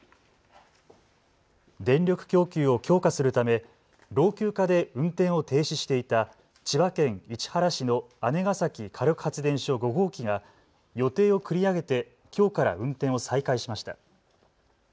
電力供給を強化するため老朽化で運転を停止していた千葉県市原市の姉崎火力発電所５号機が予定を繰り上げてきょうから運転を再開しました。